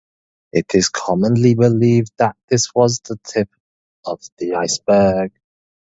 It is commonly believed that this was simply the tip of the iceberg.